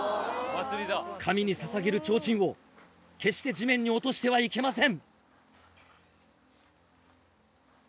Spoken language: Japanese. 神にささげる提灯を、決して地面に落としてはいけません。